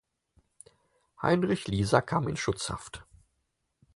Heinrich Lieser kam in Schutzhaft.